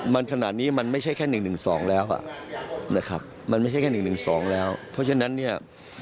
มันขนาดนี้มันไม่ใช่แค่๑๑๒แล้วอ่ะนะครับมันไม่ใช่แค่๑๑๒แล้วเพราะฉะนั้นเนี่ย